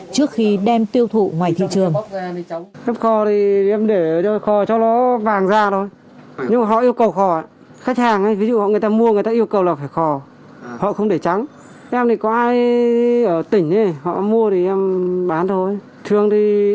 trước khi đem tiêu thụ ngoài thị trường